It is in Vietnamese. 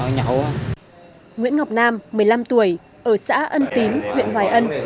nguyễn ngọc nam một mươi năm tuổi ở xã ân tín huyện hoài ân